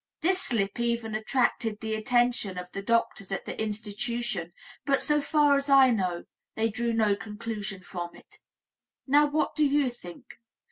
" This slip even attracted the attention of the doctors at the institution, but so far as I know, they drew no conclusion from it. Now what do you think?